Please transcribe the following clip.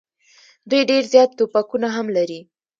دوی ډېر زیات توپکونه هم لري.